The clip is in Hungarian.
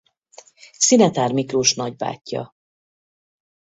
Szinetár Miklós nagybátyja.